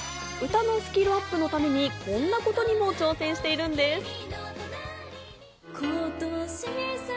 歌のスキルアップのために、こんなことにも挑戦しているんです。